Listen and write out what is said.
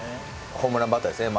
ホームランバッターですね